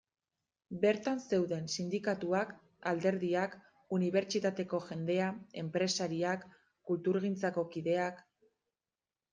Bertan zeuden sindikatuak, alderdiak, unibertsitateko jendea, enpresariak, kulturgintzako kideak...